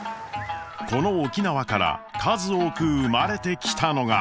この沖縄から数多く生まれてきたのが。